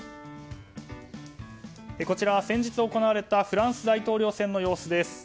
こちらは先日行われたフランス大統領選の様子です。